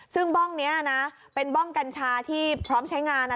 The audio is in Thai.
ซึ่งบ้องนี้นะเป็นบ้องกัญชาที่พร้อมใช้งาน